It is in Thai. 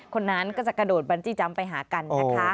คนนั้นก็จะกระโดดบรรจี้จำไปหากันนะคะ